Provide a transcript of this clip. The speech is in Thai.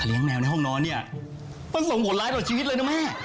แมวในห้องนอนเนี่ยมันส่งผลร้ายต่อชีวิตเลยนะแม่